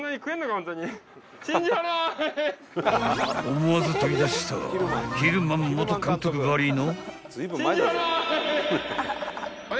［思わず飛び出したヒルマン元監督ばりの］